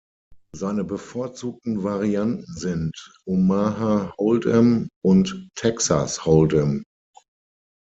Seine bevorzugten Varianten sind Omaha Hold’em und Texas Hold’em.